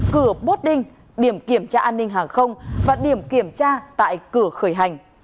cửa boting điểm kiểm tra an ninh hàng không và điểm kiểm tra tại cửa khởi hành